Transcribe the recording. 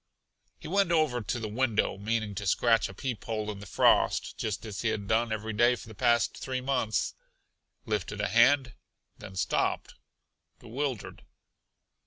He went over to the window, meaning to scratch a peep hole in the frost, just as he had done every day for the past three months; lifted a hand, then stopped bewildered.